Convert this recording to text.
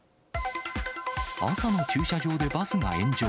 朝の駐車場でバスが炎上。